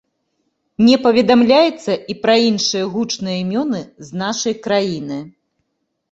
Не паведамляецца і пра іншыя гучныя імёны з нашай краіны.